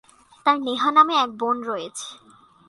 তাঁর নেহা নামে এক বোন রয়েছে।